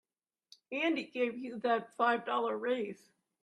And he gave you that five dollar raise.